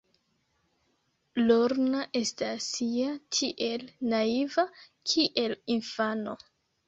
Lorna estas ja tiel naiva, kiel infano.